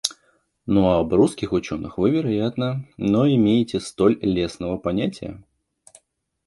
Ну, а об русских ученых вы, вероятно, но имеете столь лестного понятия?